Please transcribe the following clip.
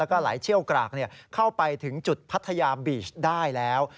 แล้วก็ไหลเชี่ยวกรากเข้าไปถึงจุดพัทยาบีชได้แล้ว